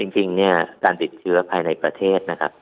จริงเนี่ยการติดเชื้อภายในประเทศนะครับ